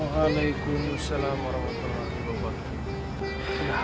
waalaikumsalam warahmatullahi wabarakatuh